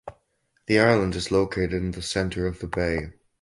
The island is located in the center of the bay.